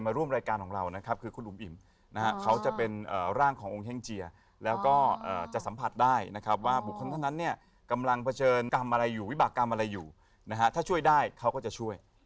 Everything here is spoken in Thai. ร่วมรายการของเรานะครับคือคุณอุ๋มอิ่มนะฮะเขาจะเป็นร่างขององค์แห้งเจียแล้วก็จะสัมผัสได้นะครับว่าบุคคลท่านนั้นเนี่ยกำลังเผชิญกรรมอะไรอยู่วิบากรรมอะไรอยู่นะฮะถ้าช่วยได้เขาก็จะช่วย